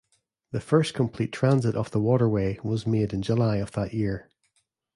The first complete transit of the waterway was made in July of that year.